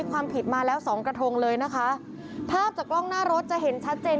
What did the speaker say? ความผิดมาแล้วสองกระทงเลยนะคะภาพจากกล้องหน้ารถจะเห็นชัดเจน